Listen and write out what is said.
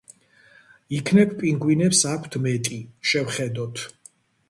იქნებ პინგვინებს აქვთ მეტი, შევხედოთ.